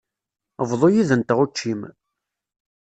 Bḍu yid-nteɣ učči-m.